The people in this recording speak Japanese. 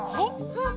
あっ！